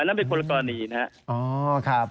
อันนั้นเป็นคนละกรณีนะฮะ